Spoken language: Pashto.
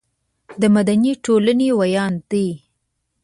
د مدني ټولنې ویاند دی.